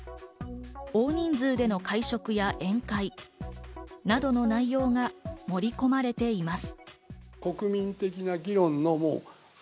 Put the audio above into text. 大人数での会食や宴会などの内容が盛り込まれています。